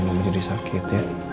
mama jadi sakit ya